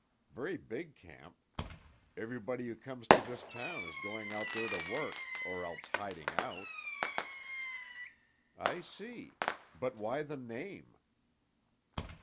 Very big camp. Everybody who comes to this town is going out there to work, or else hiding out." "I see. But why the name?"